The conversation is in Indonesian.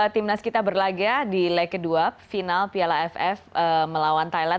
timnas kita berlaga di leg kedua final piala aff melawan thailand